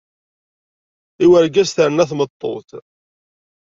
I urgaz terna tmeṭṭut.